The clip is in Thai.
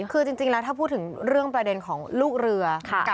คือจริงแล้วถ้าพูดถึงเรื่องประเด็นของลูกเรือ